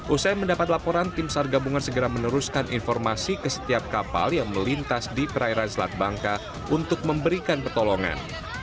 usai mendapat laporan tim sargabungan segera meneruskan informasi ke setiap kapal yang melintas di perairan selat bangka untuk memberikan pertolongan